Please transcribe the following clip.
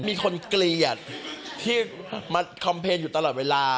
มีคนเกลียดที่มาสนสัยอยู่ตลอดเวลา